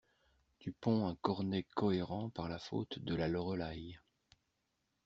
Tu ponds un cornet cohérent par la faute de la Lorelei.